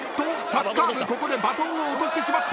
サッカー部ここでバトンを落としてしまった。